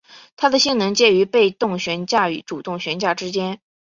它的性能介于被动悬架与主动悬架之间。